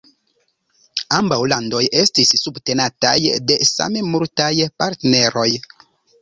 Ambaŭ landoj estis subtenataj de same multaj partneroj.